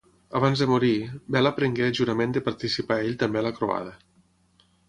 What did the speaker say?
Abans de morir, Bela prengué jurament de participar ell també a la croada.